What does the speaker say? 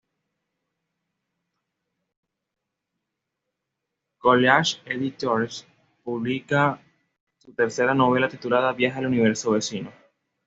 Collage Editores publica su tercera novela titulada Viaje al Universo Vecino.